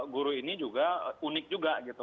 guru ini juga unik juga gitu